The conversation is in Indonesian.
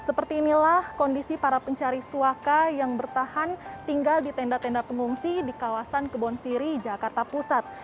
seperti inilah kondisi para pencari suaka yang bertahan tinggal di tenda tenda pengungsi di kawasan kebon siri jakarta pusat